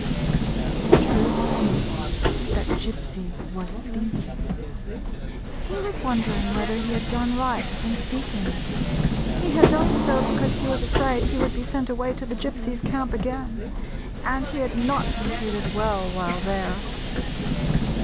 The truth is, that Gypsy was thinking. He was wondering whether he had done right in speaking. He had done so because he was afraid he would be sent away to the Gypsies' camp again, and he had not been treated well while there.